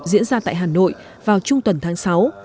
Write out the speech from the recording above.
diễn ra tại hà nội vào trung tuần tháng sáu